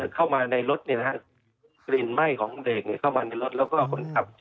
เข้ามาในรถกลิ่นไหม้ของเด็กเข้ามาในรถแล้วก็คนขับ